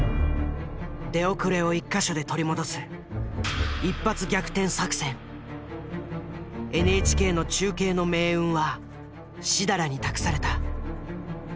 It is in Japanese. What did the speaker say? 出遅れを１か所で取り戻すＮＨＫの中継の命運は設楽に託された。